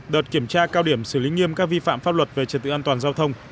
đợt kiểm tra cao điểm xử lý nghiêm các vi phạm pháp luật về trật tự an toàn giao thông